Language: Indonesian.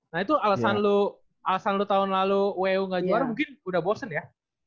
nah itu alasan lu tahun lalu oeu nggak juara mungkin udah bosen ya